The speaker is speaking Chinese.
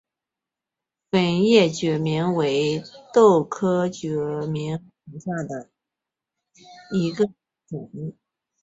粉叶决明为豆科决明属下的一个种。